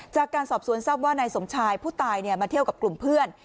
จากการสอบสวนทรัพย์ว่านายสมชายผู้ตายมาเที่ยวกับกลุ่มเพื่อน